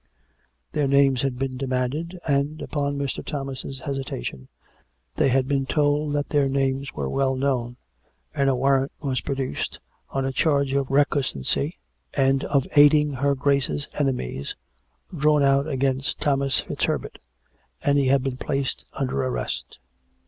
Their names had been demanded, and, upon Mr. Thomas' hesitation, they had been told that their names were well known, and a war rant was produced, on a charge of recusancy and of aiding her Grace's enemies, drawn out against Thomas FitzHer 226 COME RACK! COME ROPE! bert, and he had been placed under arrest.